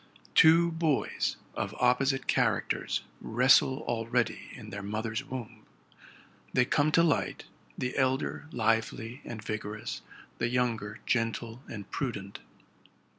'Two boys of opposite characters wrestle already in their mother's womb. They come to light, the elder lively and vigorous, the younger gentle and prudent.